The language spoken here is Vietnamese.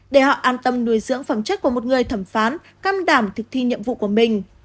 để họ an tâm nuôi dưỡng phẩm chất của một người thẩm phán cam đảm thực thi nhiệm vụ của mình